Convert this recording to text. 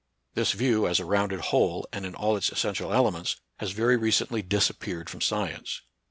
This view, as a rounded whole and in all its essential elements, has very recently disappeared from science.